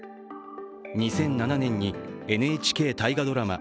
２００７年にＮＨＫ大河ドラマ